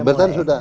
cyber kan sudah